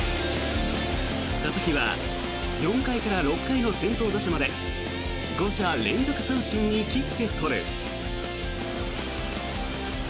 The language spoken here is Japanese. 佐々木は４回から６回の先頭打者まで５者連続三振に切って取る。